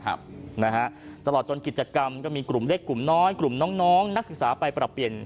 ตลอดจนกิจกรรมก็มีกลุ่มเล็กกลุ่มน้อยกลุ่มน้องนักศึกษาไปปรับเปลี่ยน